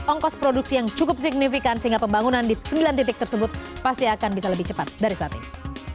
ongkos produksi yang cukup signifikan sehingga pembangunan di sembilan titik tersebut pasti akan bisa lebih cepat dari saat ini